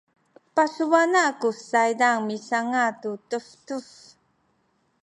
pasubana’ ku saydan misanga’ tu tubtub